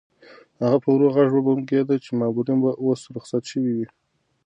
هغه په ورو غږ وبونګېده چې مامورین به اوس رخصت شوي وي.